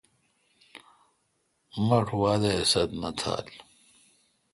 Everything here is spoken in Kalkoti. مہ تہ وادہ ست تہ یال۔